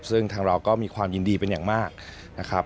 ซึ่งทางเราก็มีความยินดีเป็นอย่างมากนะครับ